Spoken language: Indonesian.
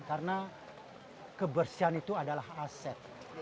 karena kebersihan itu adalah aset